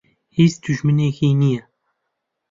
هیچ دوژمنێکی نییە.